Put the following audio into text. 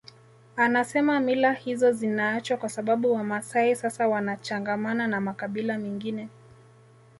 Anasema mila hizo zinaachwa kwa sababu Wamaasai sasa wanachangamana na makabila mengine